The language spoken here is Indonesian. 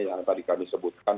yang tadi kami sebutkan